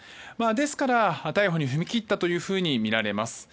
ですから逮捕に踏み切ったとみられます。